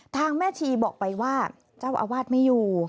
แม่ชีบอกไปว่าเจ้าอาวาสไม่อยู่